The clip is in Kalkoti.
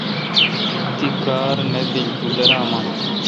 تی کار نہ بیل تو دیرہ من